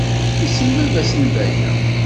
Nessen baba-s n Baya.